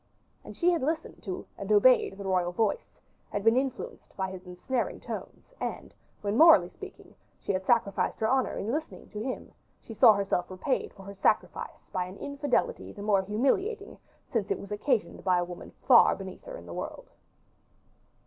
And she had listened to and obeyed the royal voice, had been influenced by his ensnaring tones; and when, morally speaking, she had sacrificed her honor in listening to him, she saw herself repaid for her sacrifice by an infidelity the more humiliating, since it was occasioned by a woman far beneath her in the world.